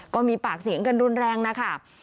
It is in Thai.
ก็มีปากเสียงกันรุนแรงนะคะ